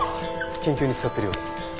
研究に使ってるようです。